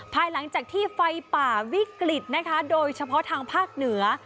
ภายหลังจากที่ไฟป่าวิกฤตนะคะโดยเฉพาะทางภาคเหนือ